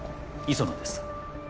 磯野です。